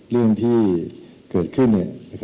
เรื่องที่เกิดขึ้น